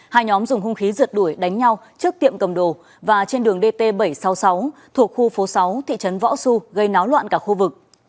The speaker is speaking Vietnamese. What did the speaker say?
hai nhóm dùng hung khí rượt đuổi đánh nhau trước tiệm cầm đồ và trên đường dt bảy trăm sáu mươi sáu thuộc khu phố sáu thị trấn võ xu gây náo loạn cả khu vực